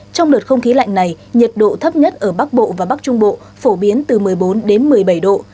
trong đợt không khí lạnh này nhiệt độ thấp nhất ở bắc bộ và bắc trung bộ phổ biến từ một mươi bốn đến một mươi bảy độ